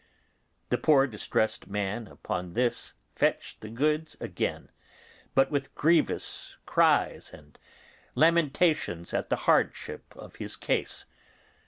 The poor distressed man upon this fetched the goods again, but with grievous cries and lamentations at the hardship of his case.